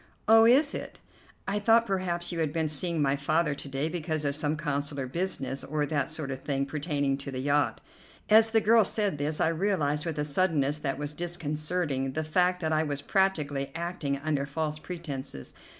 "Oh, is it? I thought perhaps you had been seeing my father to day because of some consular business, or that sort of thing, pertaining to the yacht." As the girl said this I realized, with a suddenness that was disconcerting, the fact that I was practically acting under false pretences.